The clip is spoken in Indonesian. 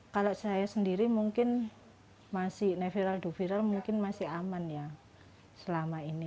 kalau saya sendiri mungkin masih neviral du viral mungkin masih aman ya selama ini